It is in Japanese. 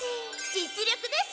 実力です！